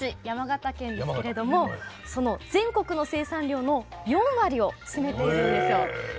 山形県ですけれども全国の生産量の４割を占めているんですよ。